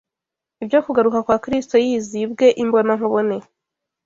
ibyo kugaruka kwa Kristo yiyiziye ubwe imbona nkubone